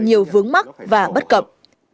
nhiều vướng mắc và bất cập